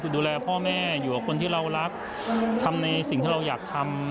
คือดูแลพ่อแม่อยู่กับคนที่เรารักทำในสิ่งที่เราอยากทำ